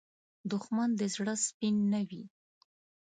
دښمن د زړه سپین نه وي